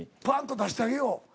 パッと出してあげよう。